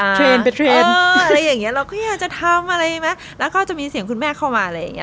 อะไรอย่างเงี้ยเราก็อยากจะทำอะไรไหมแล้วก็จะมีเสียงคุณแม่เข้ามาอะไรอย่างเงี้ย